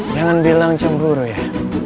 jangan bilang cemburu ya